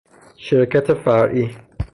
شرکت فرعی